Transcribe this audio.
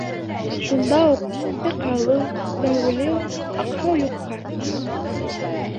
Шунда уҡ сайҡалыу-бәүелеү, аҡһау юҡҡа сыға.